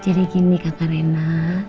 jadi gini kakak rena